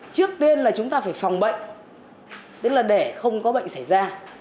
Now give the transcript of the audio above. trước tiên là chúng ta phải phòng bệnh tức là để không có bệnh xảy ra